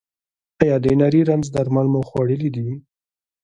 ایا د نري رنځ درمل مو خوړلي دي؟